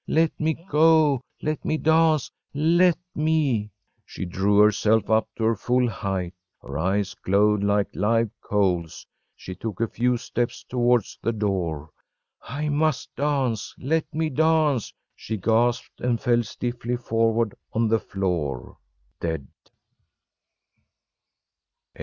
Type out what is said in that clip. Let me go let me dance let me ‚ÄĚ She drew herself up to her full height, her eyes glowed like live coals, she took a few steps towards the door “I must dance let me dance!‚ÄĚ she gasped, and fell stiffly forward on the floor dead.